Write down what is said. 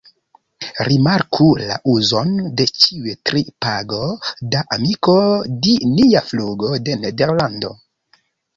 Rimarku la uzon de ĉiuj tri: "pago da amiko di nia flugo de Nederlando".